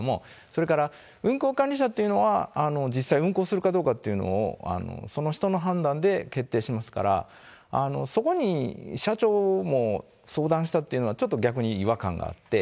それから、運航管理者というのは、実際、運航するかどうかっていうのを、その人の判断で決定しますから、そこに社長も相談したっていうのは、ちょっと逆に違和感があって、